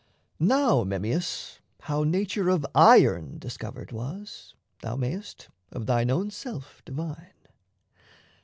Now, Memmius, How nature of iron discovered was, thou mayst Of thine own self divine.